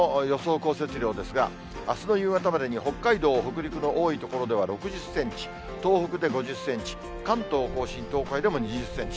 降雪量ですが、あすの夕方までに北海道、北陸の多い所では６０センチ、東北で５０センチ、関東甲信、東海でも２０センチ。